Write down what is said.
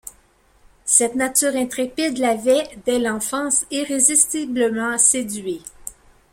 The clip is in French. Cette nature intrépide l’avait dès l’enfance irrésistiblement séduit.